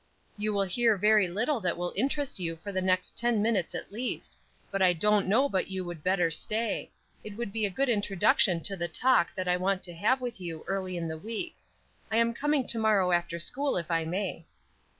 "You will hear very little that will interest you for the next ten minutes at least; though I don't know but you would better stay; it would be a good introduction to the talk that I want to have with you early in the week. I am coming to morrow after school, if I may."